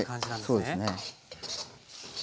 はいそうですね。